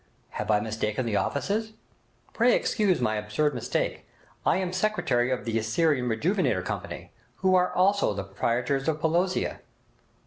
Have I mistaken the offices?' 'Pray excuse my absurd mistake! I am secretary of the "Assyrian Rejuvenator Company", who are also the proprietors of "Pelosia".'